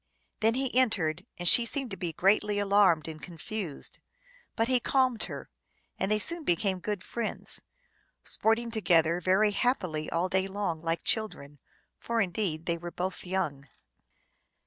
Then he entered, and she seemed to be greatly alarmed and confused ; but he calmed her, and they soon became good friends, sporting together very hap pily all day long like children, for indeed they were both young.